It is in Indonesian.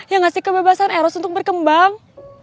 yang ngasih kebebasan eros untuk berkembang